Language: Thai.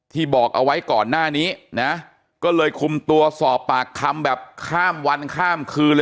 บอกเอาไว้ก่อนหน้านี้นะก็เลยคุมตัวสอบปากคำแบบข้ามวันข้ามคืนเลย